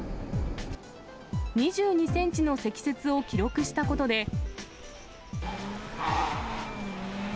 ２２センチの積雪を記録したことで。